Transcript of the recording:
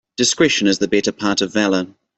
Discretion is the better part of valour.